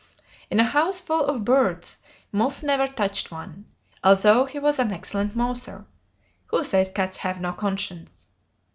In a house full of birds Muff never touched one, although he was an excellent mouser (who says cats have no conscience?).